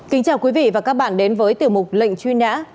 kính chào quý vị và các bạn đến với tiểu mục lệnh truy nã